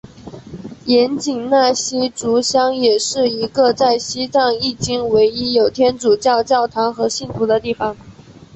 盐井纳西族乡也是一个在西藏迄今唯一有天主教教堂和信徒的地方。